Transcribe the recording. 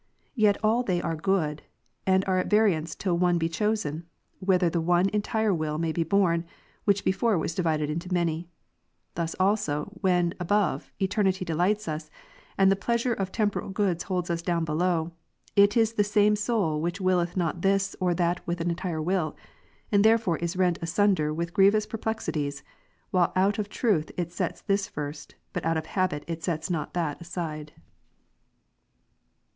yet are they all good, and are at variance till one be chosen, whither the one entire will may be borne, which before was divided into man3^ Thus also, Avhen, above, eternity delights us, and the pleasure of temporal good holds us down below, it is the same soul which wiileth not this or that with an entire will ; and therefore is rent asunder with grievous perplexities, while out of truth it sets this first, but out of habit sets not that aside.